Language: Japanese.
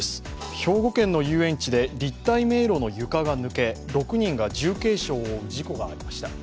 兵庫県の遊園地で立体迷路の床が抜け６人が重軽傷を負う事故がありました。